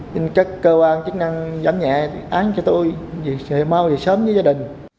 trên các cơ quan chức năng giám nhẹ